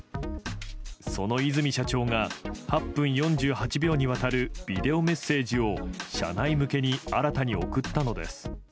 その和泉社長が、８分４８秒にわたるビデオメッセージを、社内向けに新たに送ったのです。